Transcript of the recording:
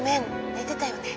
寝てたよね？